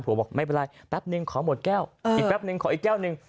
บอกไม่เป็นไรแป๊บนึงขอหมดแก้วอีกแป๊บนึงขออีกแก้วหนึ่ง